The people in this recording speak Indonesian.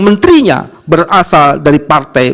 menterinya berasal dari partai